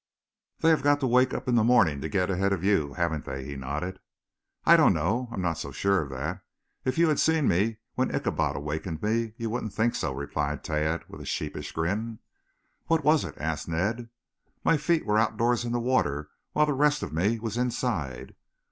"They have got to wake up in the morning to get ahead of you, haven't they?" he nodded. "I don't know. I am not so sure of that. If you had seen me when Ichabod awakened me, you wouldn't think so," replied Tad with a sheepish grin. "What was it?" asked Ned. "My feet were outdoors in the water, while the rest of me was inside."